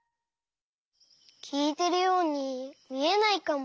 きいてるようにみえないかも。